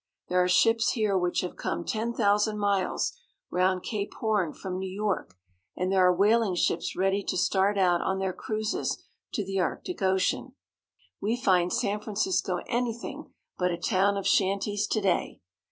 There are ships here which have come ten thousand miles round Cape Horn from New York, and there are whaling ships ready to start out on their cruises to the Arctic Ocean, We find San Francisco anything but a town of shanties to day.